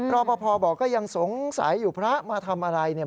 รอปภบอกก็ยังสงสัยอยู่พระมาทำอะไรเนี่ย